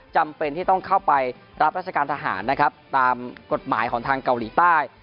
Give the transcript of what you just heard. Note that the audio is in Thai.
จำเป็นที่ต้องเข้าไปรับราชการทหารนะครับตามกฎหมายของทางเกาหลีใต้